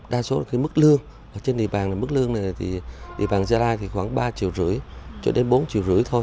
đa số là cái mức lương trên địa bàn này mức lương này thì địa bàn gia lai thì khoảng ba triệu rưỡi cho đến bốn triệu rưỡi thôi